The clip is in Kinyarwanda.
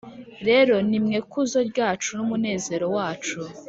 Rero ni mwe kuzo ryacu n umunezero wacu